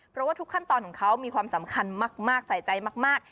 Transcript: เพราะว่าทุกขั้นตอนของเขามีความสำคัญมากใส่ใจมาก